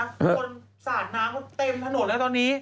คนสาดน้ำเขาเต็มถนนแล้วตอนนี้